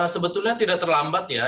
sebetulnya tidak terlambat ya